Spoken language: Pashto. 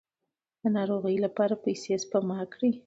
د ناروغۍ لپاره پیسې سپما کړئ.